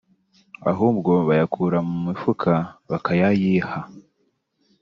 ahubwo bayakura mu mifuka bakayayiha